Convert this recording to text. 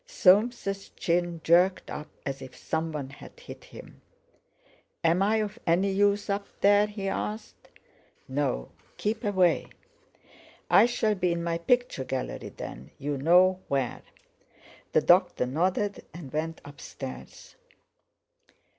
Soames' chin jerked up as if someone had hit him. "Am I of any use up there?" he asked. "No; keep away." "I shall be in my picture gallery, then; you know where." The doctor nodded, and went upstairs.